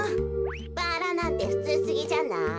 バラなんてふつうすぎじゃない？